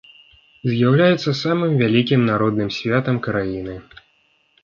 З'яўляецца самым вялікім народным святам краіны.